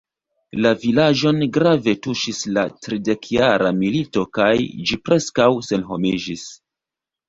La vilaĝon grave tuŝis la tridekjara milito kaj ĝi preskaŭ senhomiĝis.